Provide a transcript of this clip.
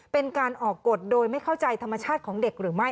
เป็นการออกกฎโดยไม่เข้าใจธรรมชาติของเด็กหรือไม่